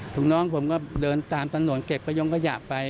ลูกน้องผมก็เดินตามสะโน่นเก็บพยมส์กระหยะไป